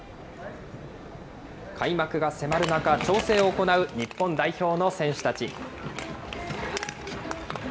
開幕が迫る中、調整を行う日本代表の選手たち。